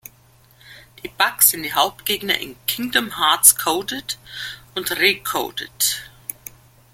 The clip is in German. Die Bugs sind die Hauptgegner in "Kingdom Hearts coded" und "Re:coded".